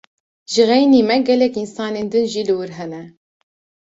Ji xeynî me gelek însanên din jî li wir hene.